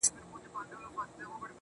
• او په گوتو کي يې سپين سگريټ نيولی.